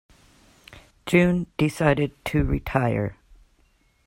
June decided to retire.